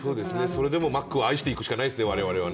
それでもマックを愛していくしかないですね、我々は。